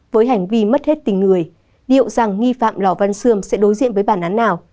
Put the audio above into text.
với hành vi mất hết tình người liệu rằng nghi phạm lò văn xương sẽ đối diện với bản án nào